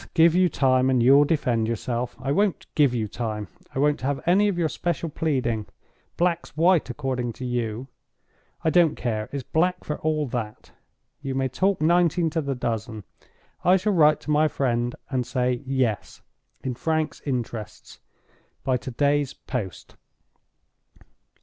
give you time, and you'll defend yourself. I won't give you time; I won't have any of your special pleading. Black's white according to you. I don't care: it's black for all that. You may talk nineteen to the dozen—I shall write to my friend and say Yes, in Frank's interests, by to day's post."